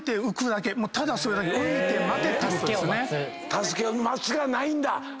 助けを待つしかないんだ。